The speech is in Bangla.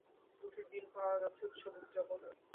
দুটির দিন পাওয়া যাচ্ছে উৎসব উ্যাপনের।